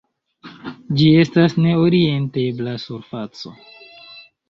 Ĝi estas ne-orientebla surfaco.